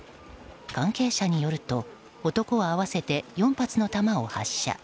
関係者によると男は合わせて４発の弾を発射。